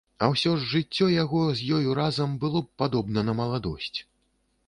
А ўсё ж жыццё яго з ёю разам было б падобна на маладосць.